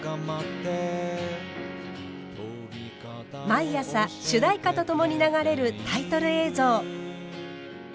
毎朝主題歌と共に流れるタイトル映像。